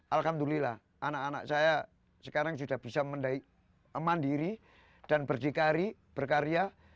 alhamdulillah anak anak saya sekarang sudah bisa mendai mandiri dan berdikari berkarya